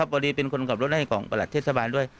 พอดีเป็นคนขับรถให้ของประหลัดเทศบาลด้วย